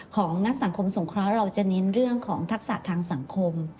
ของนักสังคมสงเคราะห์เราจะเน้นเรื่องของทักษะทางสังคม